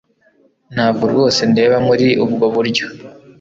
Ntabwo rwose ndeba muri ubwo buryo.